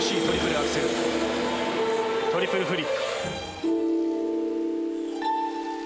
トリプルフリップ。